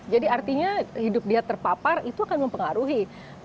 artinya hidup dia terpapar itu akan mempengaruhi